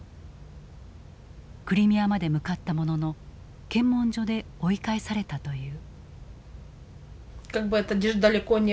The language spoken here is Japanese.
クリミアまで向かったものの検問所で追い返されたという。